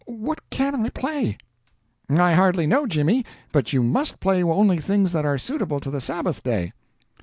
What CAN I play?" "I hardly know, Jimmy; but you MUST play only things that are suitable to the Sabbath day."